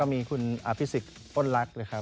ก็มีคุณอภิสิกย์โอ้นลักษณ์เลยครับ